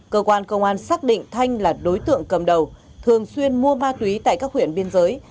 cơ quan công an xác định thanh là đối tượng cầm đầu thường xuyên mua ma túy tại các huyện biên giới